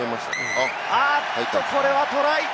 あっと、これはトライ。